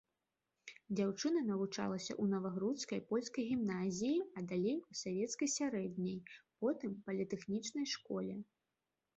Дзяўчына навучалася ў навагрудскай польскай гімназіі, а далей у савецкай сярэдняй, потым політэхнічнай школе.